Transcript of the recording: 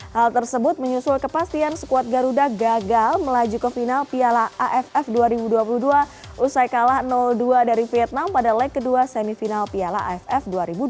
hal tersebut menyusul kepastian skuad garuda gagal melaju ke final piala aff dua ribu dua puluh dua usai kalah dua dari vietnam pada leg kedua semifinal piala aff dua ribu dua puluh